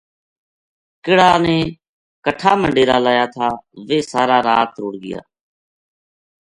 کِہڑا نے کٹھا ما ڈیرا لایا تھا ویہ سارا رات رُڑھ گیا